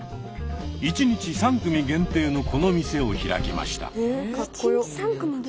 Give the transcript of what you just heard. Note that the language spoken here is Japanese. １日３組限定のこの店を開きました。